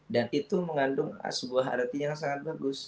dan itu mengandung sebuah arti yang sangat bagus